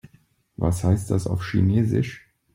Was heißt das auf Chinesisch?